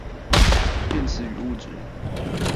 電磁與物質